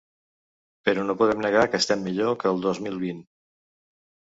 Però no podem negar que estem millor que el dos mil vint.